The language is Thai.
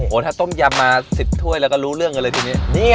ถ้าต้มยำมา๑๐ถ้วยแล้วก็รู้เรื่องกันเลยทีนี้